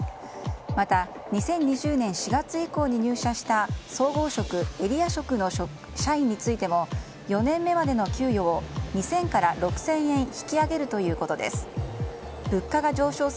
また、２０２０年４月以降に入社した総合職エリア職の社員についても４年目までの給与を２０００から６０００円引き上げるということです。